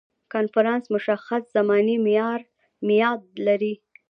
کنفرانس مشخص زماني معیاد لري.